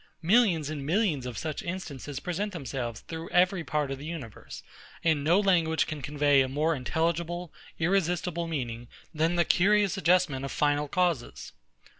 Millions and millions of such instances present themselves through every part of the universe; and no language can convey a more intelligible irresistible meaning, than the curious adjustment of final causes.